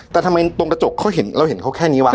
แต่ทำไมตรงกระจกเขาเห็นเขาแค่นี้วะ